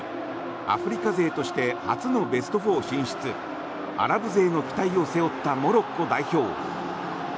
アフリカ勢として初のベスト４進出アラブ勢の期待を背負ったモロッコ代表。